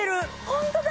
ホントだ！